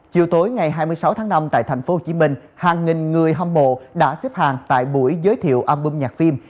chiều tối ngày hai mươi sáu tháng năm tại thành phố hồ chí minh hàng nghìn người hâm mộ đã xếp hàng tại buổi giới thiệu album nhạc phim